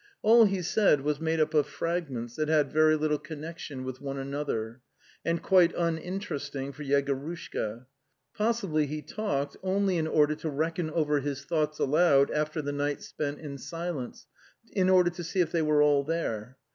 All he said was made up of fragments that had very little connection with one another, and quite uninteresting for Yego rushka. Possibly he talked only in order to reckon over his thoughts aloud after the night spent in silence, in order to see if they were all there.